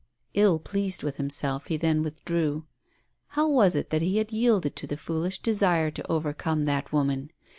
Ill pleased with himself, he then withdrew. How was it that he had yielded to the foolish desire to over come that woman?